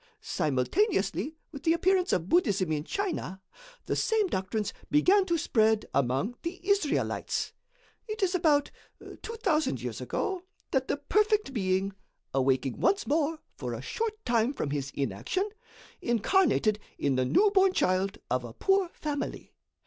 Simultaneously with the appearance of Buddhism in China, the same doctrines began to spread among the Israelites. It is about 2,000 years ago that the perfect Being, awaking once more for a short time from his inaction, incarnated in the newborn child of a poor family.